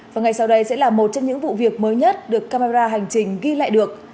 và ngay sau đây sẽ là một trong những vụ việc mới nhất được camera hành trình ghi lại được